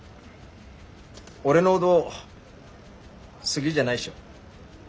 俺の音好きじゃないっしょ。